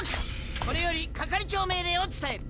これより係長命令を伝える。